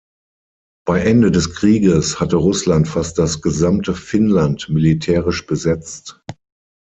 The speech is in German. Bei Ende des Krieges hatte Russland fast das gesamte Finnland militärisch besetzt.